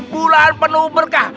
bulan penuh berkah